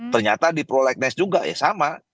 ternyata di prolegnas juga ya sama